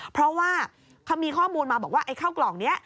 เพราะว่าเขามีข้อมูลมาบอกว่าไอ้ข้าวกล่องนี้